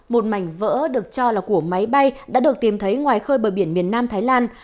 một mảnh vỡ được cho là của máy bay đã được tìm thấy ngoài khơi bờ biển miền nam thái lan